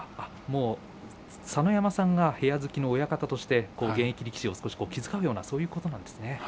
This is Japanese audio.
佐ノ山さんが部屋付きの親方として現役力士を少し気遣うようなそういうことなんですね。